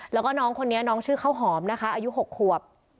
แล้วก็น้องคนนี้น้องชื่อข้าวหอมนะคะอายุ๖ขวบ